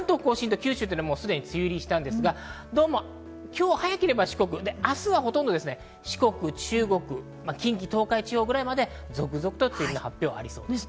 関東甲信、九州はすでに梅雨入りしたんですが、明日はほとんど四国、中国、近畿、東海地方くらいまで続々と梅雨の発表がありそうです。